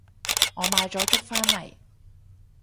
我買咗粥返嚟